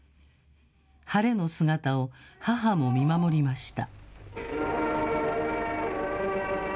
ハレの姿を母も見守りました。